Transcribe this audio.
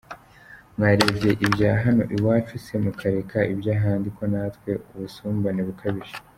Mwarebye ibya hano iwacu se mukareka iby’ahandi ko natwe ubusumbane bukabije?.